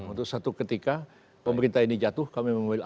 untuk satu ketika pemerintah ini jatuh kami mengambil